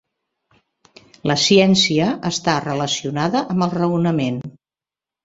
La ciència està relacionada amb el raonament.